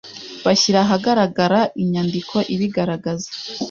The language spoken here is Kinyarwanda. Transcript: bashyira ahagaragara inyandiko ibigaragaza